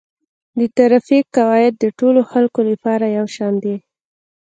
د ترافیک قواعد د ټولو خلکو لپاره یو شان دي.